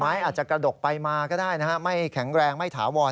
อาจจะกระดกไปมาก็ได้นะฮะไม่แข็งแรงไม่ถาวร